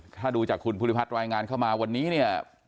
ถ้าดูจากคุณภูริพัฒน์รายงานเข้ามาวันนี้เนี่ย